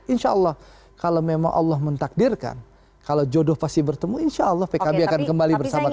insya allah kalau memang allah mentakdirkan kalau jodoh pasti bertemu insya allah pkb akan kembali bersama kami